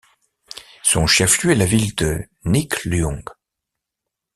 Son chef-lieu est la ville de Neak Luong.